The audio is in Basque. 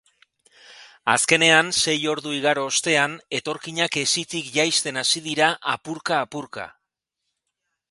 Azkenean, sei ordu igaro ostean, etorkinak hesitik jaisten hasi dira apurka-apurka.